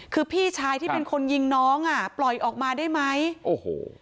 คือพี่ชายที่เป็นคนยิงน้องอ่ะปล่อยออกมาได้ไหมโอ้โห